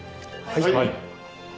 はい。